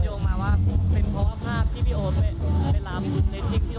คนโยงมาว่าเป็นเพราะภาพที่พี่โอ๊ดไปรับ